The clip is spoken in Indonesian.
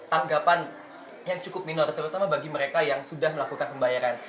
dan ini pun mendapatkan tanggapan yang cukup minor terutama bagi mereka yang sudah melakukan pembayaran